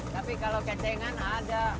tapi kalo kecengan ada